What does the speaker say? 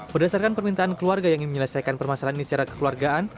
berdasarkan permintaan keluarga yang ingin menyelesaikan permasalahan ini secara kekeluargaan